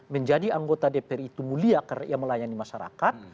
menjadi anggota dpr itu mulia karena ia melayani masyarakat